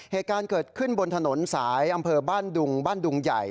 เหตุการณ์เกิดขึ้นบนถนนสายอำเภอบ้านดุงบ้านดุงใหญ่